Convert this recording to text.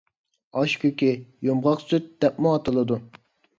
ئاشكۆكى «يۇمغاقسۈت» دەپمۇ ئاتىلىدۇ.